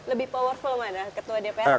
lebih powerful mana ketua dpr atau mpr